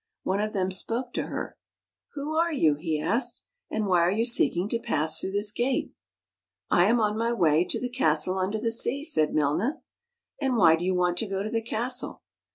One of them spoke to her. " Who are you? " he asked. " And why are you seeking to pass through this gate?" " I am on my way to the castle under the sea,'" said Milna. " And why do you want to go to the castle?